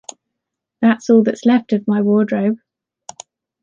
That’s all that’s left of my wardrobe.